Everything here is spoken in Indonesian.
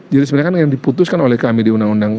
jadi sebenarnya yang diputuskan oleh kami di undang undang